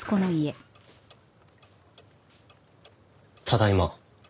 ただいま。